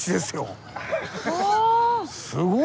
すごい！